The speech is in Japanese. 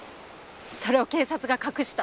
それを警察が隠した。